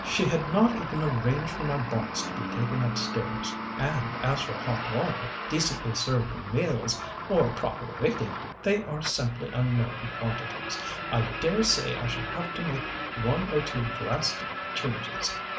She had not even arranged for my box to be taken upstairs; and as for hot water, decently served meals, or proper waiting, they are simply unknown quantities. I dare say I shall have to make one or two drastic changes.